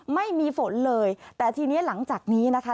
ไม่มีฝนเลยแต่ทีนี้หลังจากนี้นะคะ